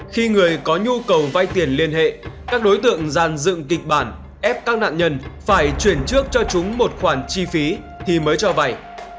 khi người có nhu cầu vay tiền liên hệ các đối tượng giàn dựng kịch bản ép các nạn nhân phải chuyển trước cho chúng một khoản chi phí thì mới cho vay